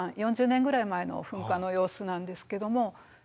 ４０年ぐらい前の噴火の様子なんですけども。